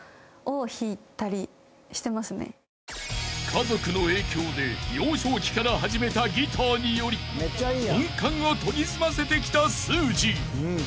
［家族の影響で幼少期から始めたギターにより音感を研ぎ澄ませてきたすーじー］